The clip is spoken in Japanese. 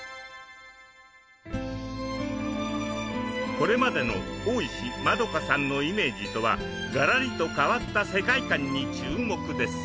これまでの大石まどかさんのイメージとはがらりと変わった世界観に注目です。